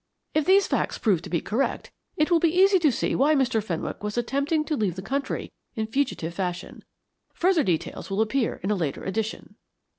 If these facts prove to be correct, it will be easy to see why Mr. Fenwick was attempting to leave the country in fugitive fashion. Further details will appear in a later edition."